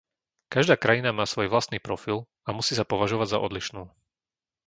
Každá krajina má svoj vlastný profil a musí sa považovať za odlišnú.